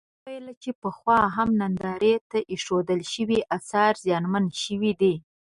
وویل چې پخوا هم نندارې ته اېښودل شوي اثار زیانمن شوي دي.